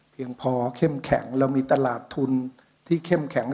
เพียงพอเข้มแข็งเรามีตลาดทุนที่เข้มแข็ง